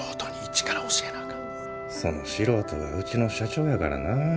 その素人がうちの社長やからな。